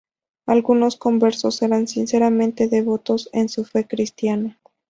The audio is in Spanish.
Algunos conversos eran sinceramente devotos en su fe cristiana.